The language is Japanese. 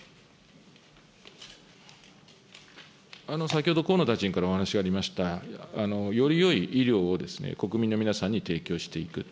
先ほど河野大臣からお話がありました、よりよい医療を国民の皆さんに提供していく。